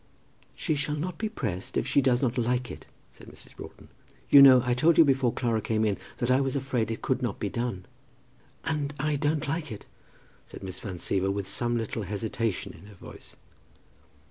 "She shall not be pressed if she does not like it," said Mrs. Broughton. "You know I told you before Clara came in, that I was afraid it could not be done." "And I don't like it," said Miss Van Siever, with some little hesitation in her voice.